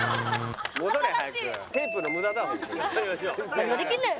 何ができんねん！